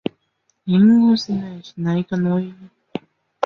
神山由美子是日本兵库县出身的剧本作家。